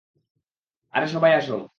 আরে সবাই আসো।